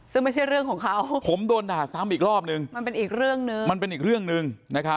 ซึ่งไม่ใช่เรื่องของเขาผมโดนด่าซ้ำอีกรอบหนึ่งมันเป็นอีกเรื่องหนึ่ง